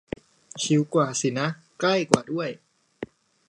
ชิวกว่าสินะ ใกล้กว่าด้วย